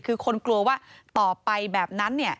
คือคนกลัวว่าต่อไปแบบนั้น